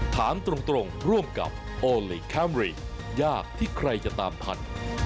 ถามตรงร่วมกับโอลี่คัมรี่ยากที่ใครจะตามทัน